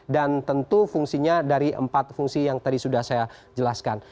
dan tentu fungsinya dari empat fungsi yang tadi sudah saya jelaskan